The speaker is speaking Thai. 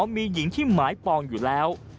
มันกลับมาแล้ว